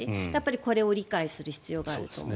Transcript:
これを理解する必要があると思います。